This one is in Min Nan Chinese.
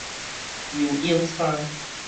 游泳衫